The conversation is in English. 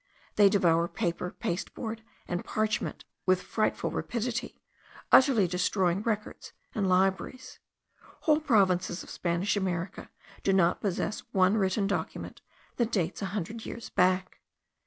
They devour paper, pasteboard, and parchment with frightful rapidity, utterly destroying records and libraries. Whole provinces of Spanish America do not possess one written document that dates a hundred years back.